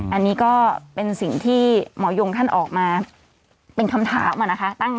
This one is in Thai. อันนี้ก็เป็นสิ่งที่หมอยงท่านออกมาเป็นคำถามอะนะคะ